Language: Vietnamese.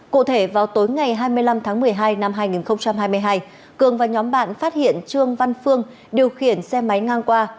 cụ thể vào tối ngày hai mươi năm tháng một mươi hai năm hai nghìn hai mươi hai cường và nhóm bạn phát hiện trương văn phương điều khiển xe máy ngang qua